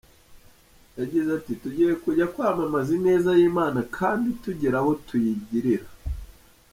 Yagize ati “Tugiye kujya kwamamaza ineza y’Imana kandi tugira abo tuyigirira.